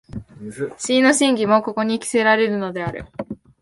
思惟の真偽もここに決せられるのである。